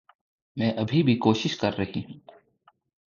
मैं अभी भी कोशिश कर रही हूँ।